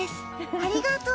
ありがとう。